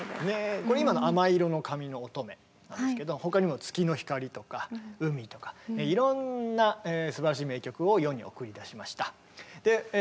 これ今の「亜麻色の髪のおとめ」なんですけど他にも「月の光」とか「海」とかいろんなすばらしい名曲を世に送り出しました。